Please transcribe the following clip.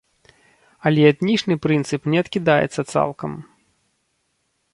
Але этнічны прынцып не адкідаецца цалкам.